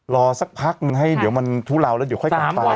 รอสักพักนึงให้เดี๋ยวมันทุเลาแล้วเดี๋ยวค่อยกลับไป